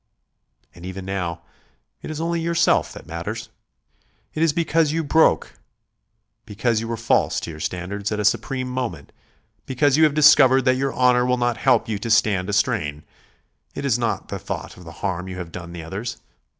And, even now, it is only yourself that matters. It is because you broke; because you were false to your standards at a supreme moment; because you have discovered that your honour will not help you to stand a strain. It is not the thought of the harm you have done the others....